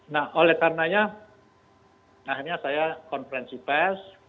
nah oleh karenanya akhirnya saya konferensi pes